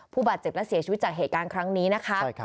ผู้บาดเจ็บและเสียชีวิตจากเหตุการณ์ครั้งนี้นะคะ